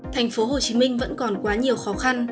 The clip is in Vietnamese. tp hcm vẫn còn quá nhiều khó khăn